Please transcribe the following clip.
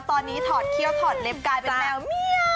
ตอนนี้ถอดเขี้ยวถอดเล็บกลายเป็นแมวเมีย